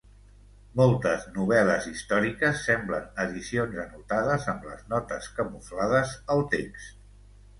Moltes novel·les històriques semblen edicions anotades amb les notes camuflades al text.